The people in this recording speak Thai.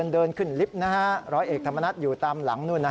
เดินขึ้นลิฟต์ร้อยเอกธรรมนัฐอยู่ตามหลังนู่น